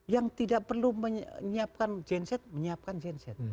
yang tidak perlu menyiapkan genset menyiapkan genset